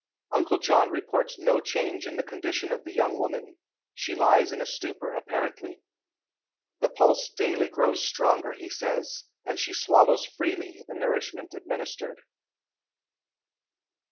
Uncle John reports no change in the condition of the young woman. She lies in a stupor, apparently. The pulse daily grows stronger, he says, and she swallows freely the nourishment administered.